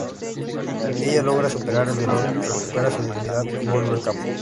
Ella logra superar el dolor, recupera su dignidad y vuelve al campo.